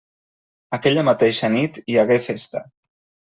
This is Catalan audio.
Aquella mateixa nit hi hagué festa.